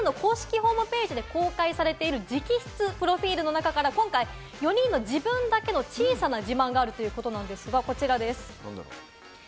ニジプロ２の公式ホームページが公開されている直筆プロフィールの中から今回、４人の自分だけの小さな自慢があるということなんですが、こちらです。